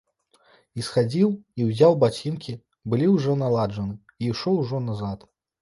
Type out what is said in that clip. І схадзіў, і ўзяў бацінкі, былі ўжо наладжаны, і ішоў ужо назад.